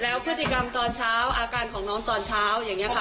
แล้วพฤติกรรมตอนเช้าอาการของน้องตอนเช้าอย่างนี้ค่ะ